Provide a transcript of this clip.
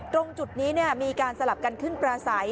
ตรงจุดนี้มีการสลับกันขึ้นปลาใส